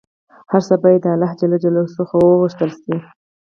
هر څه باید د الله ﷻ څخه وغوښتل شي